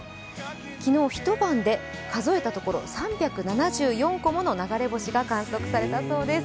昨日一晩で数えたところ、３７４個もの流れ星が観測されたそうです。